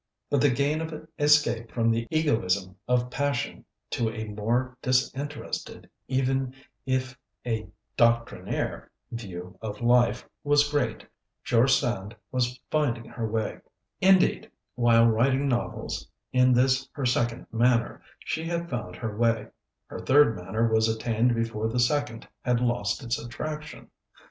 But the gain of escape from the egoism of passion to a more disinterested, even if a doctrinaire, view of life was great. George Sand was finding her way. Indeed, while writing novels in this her second manner, she had found her way; her third manner was attained before the second had lost its attraction.